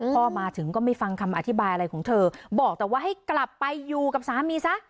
พ่อมาถึงก็ไม่ฟังคำอธิบายอะไรของเธอบอกแต่ว่าให้กลับไปอยู่กับสามีซะ